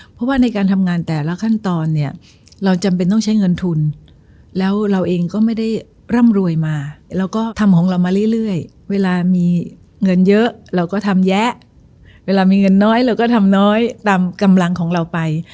เพราะว่าในการทำงานแต่ละขั้นตอนเนี่ยเราจำเป็นต้องใช้เงินทุนแล้วเราเองก็ไม่ได้ร่ำรวยมาเราก็ทำของเรามาเรื่อยเวลามีเงินเยอะเราก็ทำแยะเวลามีเงินน้อยเราก็ทำน้อยตามกำลังของเราไป